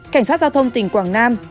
cảnh sát giao thông tỉnh quảng nam